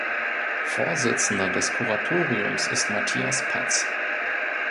Vorsitzender des Kuratoriums ist Matthias Patz.